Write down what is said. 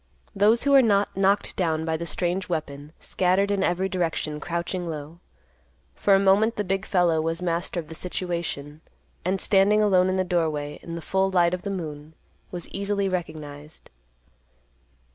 Those who were not knocked down by the strange weapon scattered in every direction, crouching low. For a moment the big fellow was master of the situation, and, standing alone in the doorway, in the full light of the moon, was easily recognized.